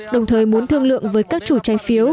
đồng thời muốn thương lượng với các chủ trái phiếu